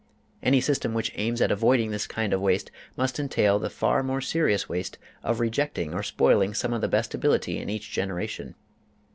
Any system which aims at avoiding this kind of waste must entail the far more serious waste of rejecting or spoiling some of the best ability in each generation.